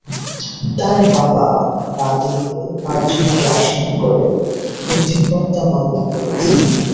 তাঁর বাবা বাদী হয়ে পাঁচজনকে আসামি করে একটি হত্যা মামলা করেছেন।